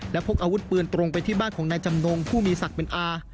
และพกอาวุธปืนตรงไปที่บ้านของนายจำนงผู้มีศักดิ์เป็นอา